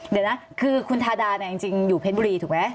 เดี๋ยวนะคือคุณทาดาเนี่ยจริงอยู่เพชรบุรีถูกไหม